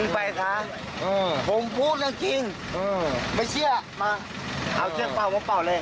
ผมกินเหล้าแค่เป๊ะเดียว